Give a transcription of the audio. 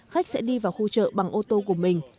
khách sẽ đi vào khu chợ bằng ô tô của mình